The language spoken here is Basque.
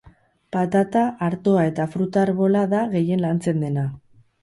Patata, artoa eta fruta-arbola da gehien lantzen dena.